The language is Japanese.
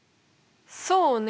そうね